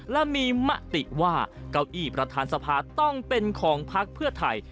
และมีมติว่าเก้าอี้ประธานสภาต้องเป็นของพักเพื่อไทย